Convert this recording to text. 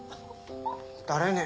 誰ね？